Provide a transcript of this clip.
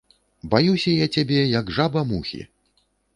Баюся я цябе, як жаба мухі!